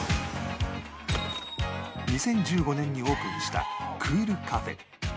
２０１５年にオープンしたクールカフェ